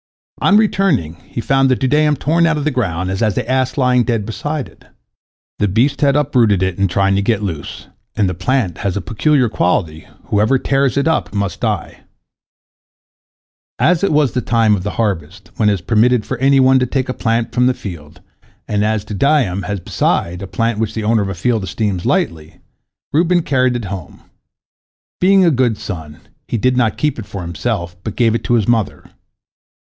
On returning, he found the dudaim torn out of the ground, and the ass lying dead beside it. The beast had uprooted it in trying to get loose, and the plant has a peculiar quality, whoever tears it up must die. As it was the time of the harvest, when it is permitted for any one to take a plant from a field, and as dudaim is, besides, a plant which the owner of a field esteems lightly, Reuben carried it home. Being a good son, he did not keep it for himself, but gave it to his mother.